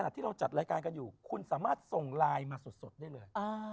ที่เราจัดรายการกันอยู่คุณสามารถส่งไลน์มาสดได้เลย